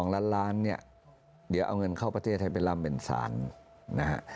๒ล้านล้านเนี่ยเดี๋ยวเอาเงินเข้าประเทศให้ไปลำเบ่นศาลนะฮะ